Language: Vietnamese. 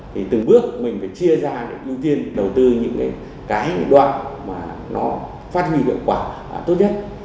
thì từng bước mình phải chia ra để ưu tiên đầu tư những cái đoạn mà nó phát huy hiệu quả tốt nhất